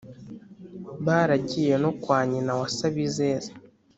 baragiye no kwa nyina wa sabizeze